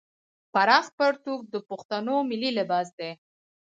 پراخ پرتوګ د پښتنو ملي لباس دی.